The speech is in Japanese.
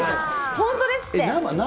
本当ですって。